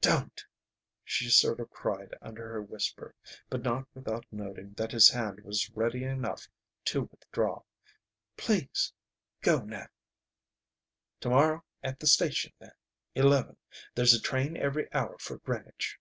"Don't!" she sort of cried under her whisper, but not without noting that his hand was ready enough to withdraw. "Please go now " "To morrow at the station, then. Eleven. There's a train every hour for Greenwich."